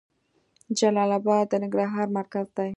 جلال اباد د ننګرهار مرکز ده.